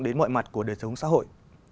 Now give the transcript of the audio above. đến mọi mặt của đời sống xã hội